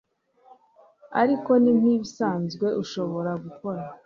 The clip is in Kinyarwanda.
Ariko ni nkibisanzwe ushobora gukora